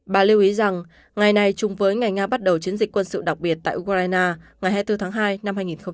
bà lưu ý rằng ngày này chung với ngày nga bắt đầu chiến dịch quân sự đặc biệt tại ukraine ngày hai mươi bốn tháng hai năm hai nghìn hai mươi